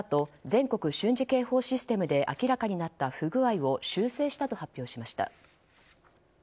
・全国瞬時警報システムで明らかになった不具合を修正したと発表しました。